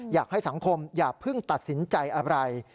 อยากให้สังคมอย่าเพิ่งตัดสินใจอะไร